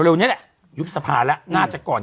เร็วนี่แหละยุบสภาแล้วน่าจะก่อน๒๑